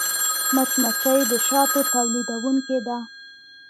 مچمچۍ د شاتو تولیدوونکې ده